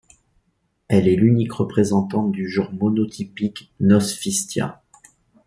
Elle est l'unique représentante du genre monotypique Nosphistia.